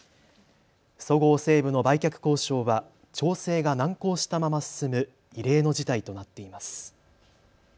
そごう・西武の売却交渉は調整が難航したまま進む異例の事態となっています。